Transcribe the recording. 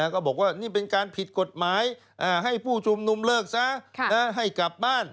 ก็บอกว่านี่เป็นการผิดกฎหมายให้ผู้ชุมนุมเลิกซะให้กลับบ้าน